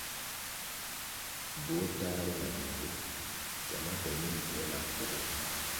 Duo tahre na bigwo gyama be mimbvū na kugu.